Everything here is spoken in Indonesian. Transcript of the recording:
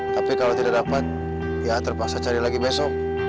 tapi kalau tidak dapat ya terpaksa cari lagi besok